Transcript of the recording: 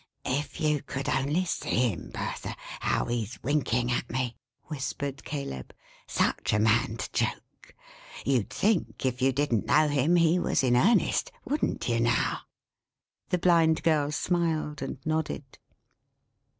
"If you could only see him, Bertha, how he's winking at me!" whispered Caleb. "Such a man to joke! you'd think, if you didn't know him, he was in earnest wouldn't you now?" The Blind Girl smiled, and nodded.